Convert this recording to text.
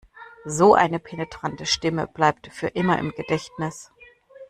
So eine penetrante Stimme bleibt für immer im Gedächtnis.